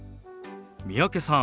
三宅さん